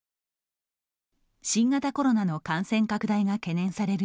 新型コロナの感染拡大が懸念される